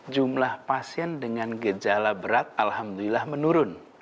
jumlah pasien dengan gejala berat alhamdulillah menurun